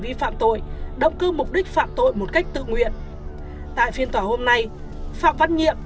vi phạm tội động cư mục đích phạm tội một cách tự nguyện tại phiên tòa hôm nay phạm văn nhiệm